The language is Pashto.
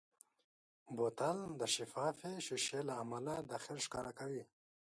بوتل د شفافې ښیښې له امله داخل ښکاره کوي.